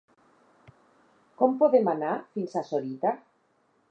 Com podem anar fins a Sorita?